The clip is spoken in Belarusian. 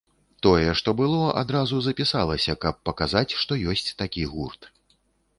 Тое, што было, адразу запісалася, каб паказаць, што ёсць такі гурт.